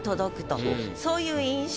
そういう印象